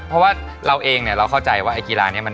เพราะว่าเราเองเราเข้าใจว่ากีฬานี้